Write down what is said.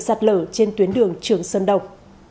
sạt lở trên tuyến đường trường sơn đông